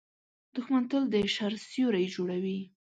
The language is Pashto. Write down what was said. دښمن تل د شر سیوری جوړوي